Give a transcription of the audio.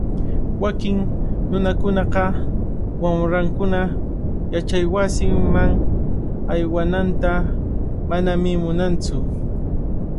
Wakin nunakunaqa wamrankuna yachaywasiman aywananta manami munantsu.